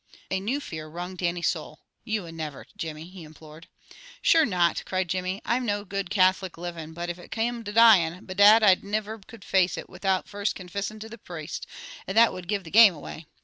A new fear wrung Dannie's soul. "Ye never would, Jimmy," he implored. "Sure not!" cried Jimmy. "I'm no good Catholic livin', but if it come to dyin', bedad I niver could face it without first confissin' to the praste, and that would give the game away.